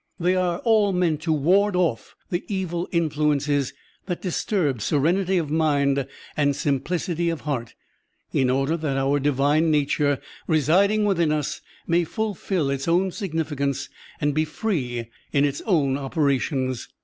They are all meant to ward off the evil influences that disturb serenity of mind and simplicity of heart, in order that our divine nature residing within us may fulfil its own significance and be free in its own operations.